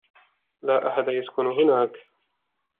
لا أحد يسكن هناك.